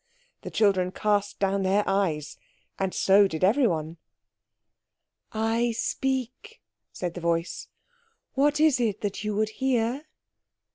The children cast down their eyes. And so did everyone. "I speak," said the voice. "What is it that you would hear?"